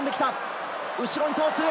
後に通す。